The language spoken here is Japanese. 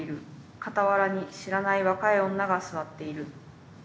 傍らに知らない若い女が座っている」。